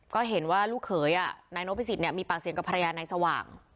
ก็เห็นว่าลูกเขยนายนพิสิทธิมีปากเสียงกับภรรยานายสว่าง